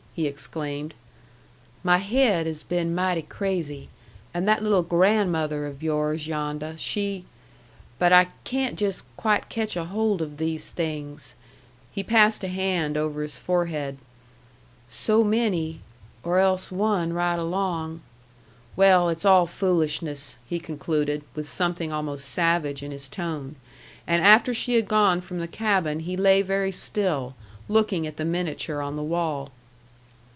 he exclaimed. "My haid has been mighty crazy; and that little grandmother of yours yondeh, she but I can't just quite catch a hold of these things" he passed a hand over his forehead "so many or else one right along well, it's all foolishness!" he concluded, with something almost savage in his tone. And after she had gone from the cabin he lay very still, looking at the miniature on the wall.